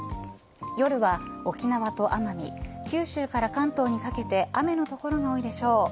夜は沖縄と奄美九州から関東にかけて雨の所が多いでしょう。